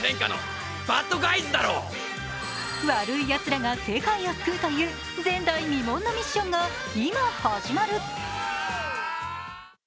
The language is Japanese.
悪いやつらが世界を救うという、前代未聞のミッションが今、始まる！